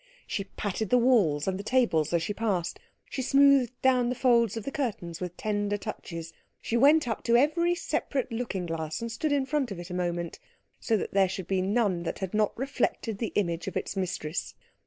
She patted the walls and the tables as she passed; she smoothed down the folds of the curtains with tender touches; she went up to every separate looking glass and stood in front of it a moment, so that there should be none that had not reflected the image of its mistress.